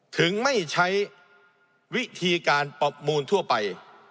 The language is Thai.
ถึงไม่ใช้วิธีการประมูลทั่วไป